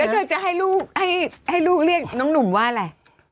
เธอจะให้ลูกให้ลูกเรียกน้องหนุ่มว่าอะไร